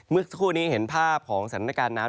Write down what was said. เมื่อสักครู่นี้เห็นภาพของสถานการณ์น้ำ